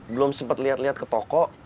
belum sempat lihat lihat ke toko